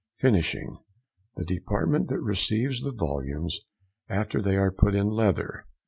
FINISHING.—The department that receives the volumes after they are put in leather.